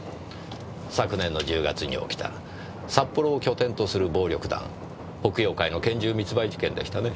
昨年の１０月に起きた札幌を拠点とする暴力団北洋会の拳銃密売事件でしたね。